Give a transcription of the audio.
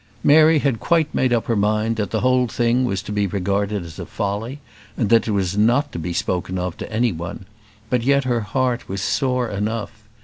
Mary had quite made up her mind that the whole thing was to be regarded as a folly, and that it was not to be spoken of to any one; but yet her heart was sore enough.